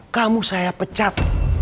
kamu saya pecat